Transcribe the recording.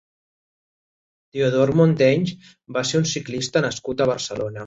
Teodor Monteys va ser un ciclista nascut a Barcelona.